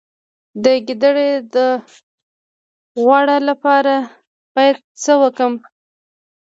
د ګیډې د غوړ لپاره باید څه وکړم؟